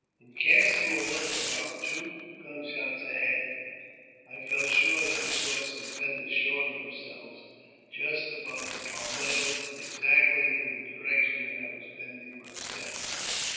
In casting a look about two gun shots ahead, I felt sure that I saw some feathers showing themselves just above the palmettos, and exactly in the direction that I was bending my steps.